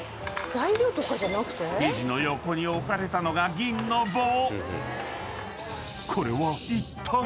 ［生地の横に置かれたのが銀の棒］